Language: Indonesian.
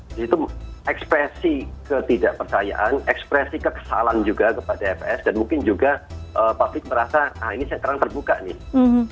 di situ ekspresi ketidakpercayaan ekspresi kekesalan juga kepada fs dan mungkin juga publik merasa ini sekarang terbuka nih